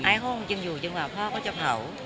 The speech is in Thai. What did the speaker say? ห้องยังอยู่จังหวะพ่อก็จะเผา